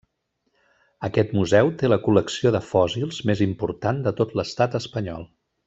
Aquest museu té la col·lecció de fòssils més important de tot l'estat espanyol.